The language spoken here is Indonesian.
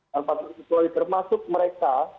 tanpa terkesuali termasuk mereka